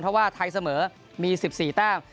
เพราะว่าไทยเสมอมี๑๔แต้ม